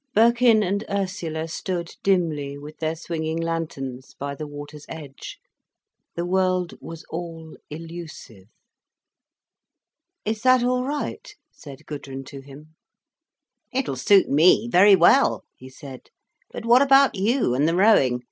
Birkin and Ursula stood dimly, with their swinging lanterns, by the water's edge. The world was all illusive. "Is that all right?" said Gudrun to him. "It'll suit me very well," he said. "But what about you, and the rowing?